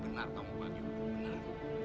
benar kamu bang yudhoy